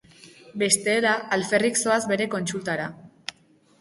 Bestela alferrik zoaz bere kontsultara.